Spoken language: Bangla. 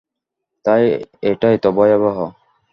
তাই এটা এত ভয়াবহ।